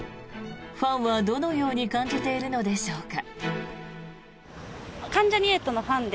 ファンはどのように感じているのでしょうか。